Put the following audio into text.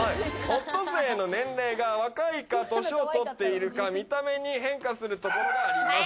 オットセイの年齢が若いか年取ってるか、見た目に変化するところがあります。